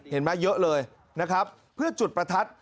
เห็นไหมเยอะเลยนะครับเพื่อจุดประทัด